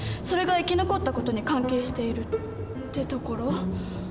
それが生き残ったことに関係している」ってところ？